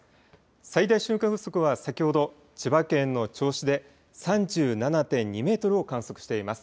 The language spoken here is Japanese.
最大瞬間風速は先ほど千葉県の銚子で３７．２メートルを観測しています。